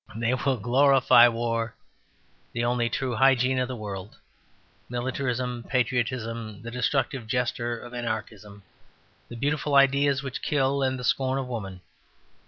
They will "glorify war the only true hygiene of the world militarism, patriotism, the destructive gesture of Anarchism, the beautiful ideas which kill, and the scorn of woman."